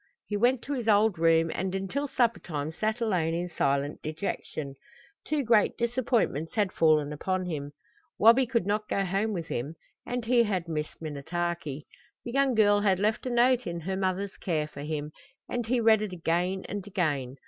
He went to his old room, and until suppertime sat alone in silent dejection. Two great disappointments had fallen upon him. Wabi could not go home with him and he had missed Minnetaki. The young girl had left a note in her mother's care for him, and he read it again and again.